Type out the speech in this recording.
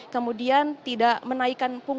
kemudian tidak menaikkan pungut